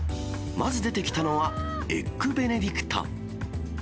まず出てきたのは、エッグベネディクト。